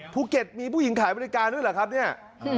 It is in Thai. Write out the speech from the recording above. ภูเก็ตมีผู้หญิงขายบริการด้วยเหรอครับเนี่ย